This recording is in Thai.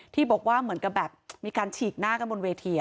ที่บอกว่าเหมือนกับแบบมีการฉีกหน้ากันบนเวที